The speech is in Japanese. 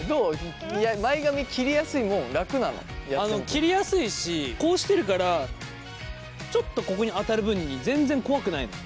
切りやすいしこうしてるからちょっとここに当たる分に全然怖くないのよ